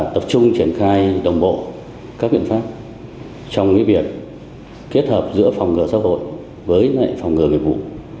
tập trung triển khai đồng bộ các biện pháp trong việc kết hợp giữa phòng ngừa xã hội với phòng ngừa nghiệp vụ